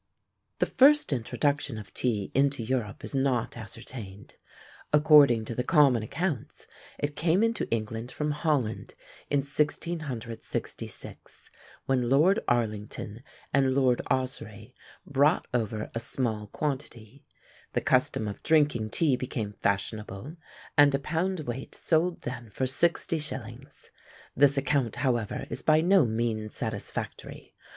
The first introduction of tea into Europe is not ascertained; according to the common accounts it came into England from Holland, in 1666, when Lord Arlington and Lord Ossory brought over a small quantity: the custom of drinking tea became fashionable, and a pound weight sold then for sixty shillings. This account, however, is by no means satisfactory.